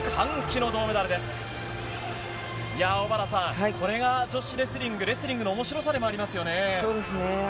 いや、小原さん、これが女子レスリング、レスリングのおもしろさでもありますよね。